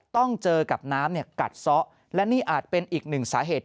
ต้องเจอกับน้ำกัดซ้อและนี่อาจเป็นอีกหนึ่งสาเหตุ